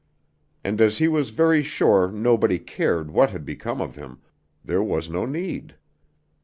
And as he was very sure nobody cared what had become of him, there was no need.